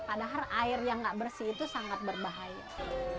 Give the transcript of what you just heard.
padahal air yang nggak bersih itu sangat berbahaya